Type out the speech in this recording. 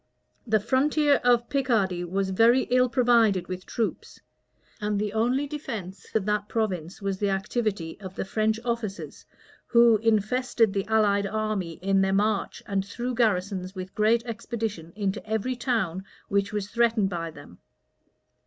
The frontier of Picardy was very ill provided with troops; and the only defence of that province was the activity of the French officers, who infested the allied army in their march, and threw garrisons, with great expedition, into every town which was threatened by them.